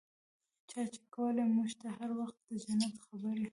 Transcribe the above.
چا چې کولې موږ ته هر وخت د جنت خبرې.